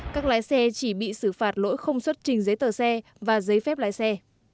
các lái xe chỉ bị xử phạt lỗi không xuất trình giấy tờ xe và giấy phép lái xe